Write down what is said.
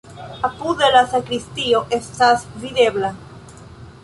Apude la sakristio estas videbla.